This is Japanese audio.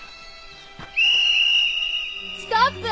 ストップ！